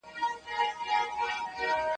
زموږ له ولیو ځړېده